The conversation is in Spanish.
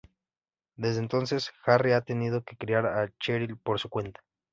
Desde entonces, Harry ha tenido que criar a Cheryl por su cuenta.